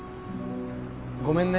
ごめんね。